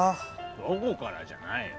どこからじゃないよ。